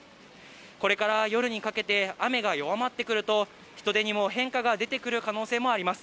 これから夜にかけて雨が弱まってくると、人出にも変化が出てくる可能性もあります。